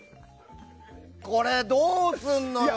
これ、どうすんのよ。